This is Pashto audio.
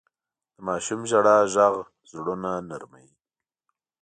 د ماشوم ژړا ږغ زړونه نرموي.